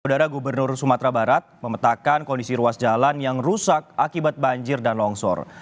udara gubernur sumatera barat memetakkan kondisi ruas jalan yang rusak akibat banjir dan longsor